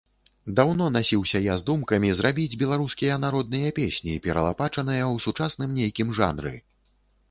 Даўно насіўся я з думкамі зрабіць беларускія народныя песні, пералапачаныя ў сучасным нейкім жанры.